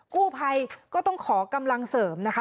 กู้ภัยก็ต้องขอกำลังเสริมนะคะ